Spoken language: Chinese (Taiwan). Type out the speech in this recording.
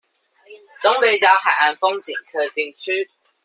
東北角海岸風景特定區